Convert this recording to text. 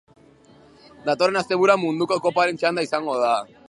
Datorren asteburuan munduko koparen txanda izango da.